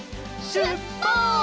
しゅっぱつ！